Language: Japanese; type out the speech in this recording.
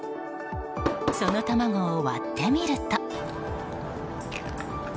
その卵を割ってみると。